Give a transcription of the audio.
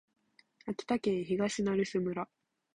秋田県東成瀬村